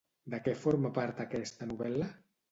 De què forma part aquesta novel·la?